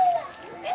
えっ？